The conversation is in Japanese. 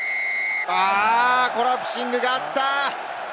コラプシングがあった！